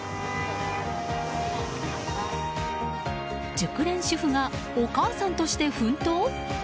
熟練主婦がお母さんとして奮闘？